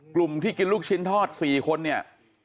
กลุ่มที่กินลูกชิ้นทอด๔คนเนี่ย